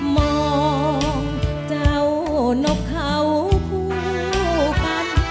มองเจ้านกเขาคู่กัน